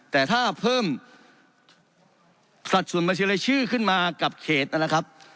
แต่ถ้าเพิ่มสัดส่วนบัญชีรายชื่อขึ้นมากับเขตนั่นแหละครับ